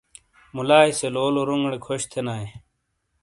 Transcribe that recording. ملائیی سے لولو رونگیڑے کھش تھینئ۔